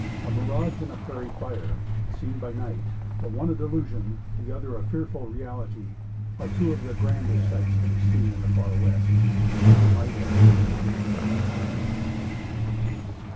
A mirage and a prairie on fire, seen by night, the one a delusion, the other a fearful reality, are two of the grandest sights to be seen in the far West; we might add, on the American continent.